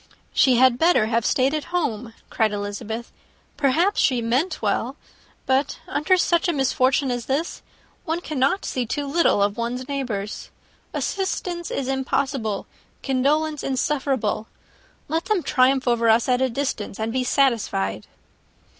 "She had better have stayed at home," cried Elizabeth: "perhaps she meant well, but, under such a misfortune as this, one cannot see too little of one's neighbours. Assistance is impossible; condolence, insufferable. Let them triumph over us at a distance, and be satisfied."